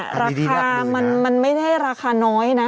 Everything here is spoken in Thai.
คันดีที่รักเลยนะราคามันไม่ได้ราคาน้อยนะ